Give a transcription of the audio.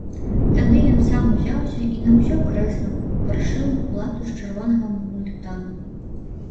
Тады ён сам ўзяўся і на ўсё крэсла прышыў лату з чырвонага мультану.